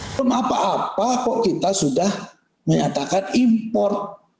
belum apa apa kok kita sudah menyatakan impor